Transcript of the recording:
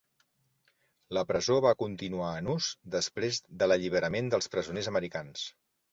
La presó va continuar en ús després de l'alliberament dels presoners americans.